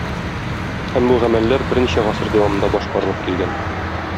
Һәм бу гамәлләр берничә гасыр дәвамында башкарылып килгән.